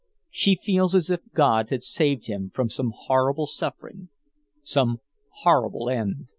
She feels as if God had saved him from some horrible suffering, some horrible end.